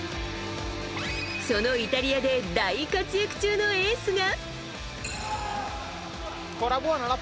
そのイタリアで大活躍中のエースが。